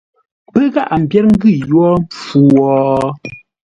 Pə́ gháʼa mbyér ngʉ̂ yórə́ mpfu wo ?